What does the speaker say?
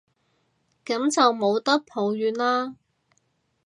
噉就冇得抱怨喇